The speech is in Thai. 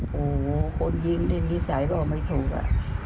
โอ้โหคนยิงด้วยงี้ใส่บอกไม่ถูกอะ